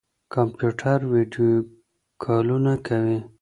کمپيوټر ويډيو کالونه کوي.